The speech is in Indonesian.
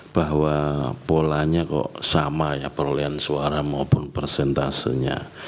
bahwa polanya kok sama ya perolehan suara maupun persentasenya